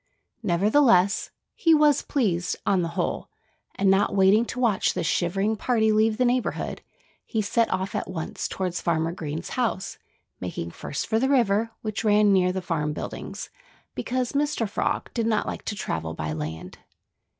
Nevertheless, he was pleased, on the whole. And not waiting to watch the shivering party leave the neighborhood, he set off at once toward Farmer Green's house, making first for the river, which ran near the farm buildings, because Mr. Frog did not like to travel by land.